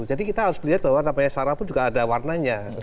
jadi kita harus melihat bahwa namanya sarah pun juga ada warnanya